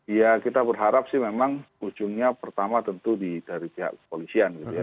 ya kita berharap sih memang ujungnya pertama tentu dari pihak kepolisian gitu ya